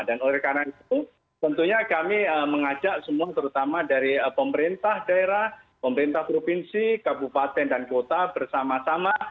dan oleh karena itu tentunya kami mengajak semua terutama dari pemerintah daerah pemerintah provinsi kabupaten dan kota bersama sama